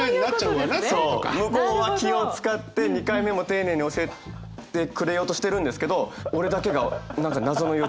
向こうは気を遣って２回目も丁寧に教えてくれようとしてるんですけど俺だけが何か謎の予知能力。